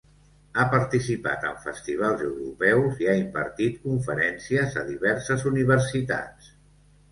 Ha participat en festivals europeus i ha impartit conferències a diverses universitats.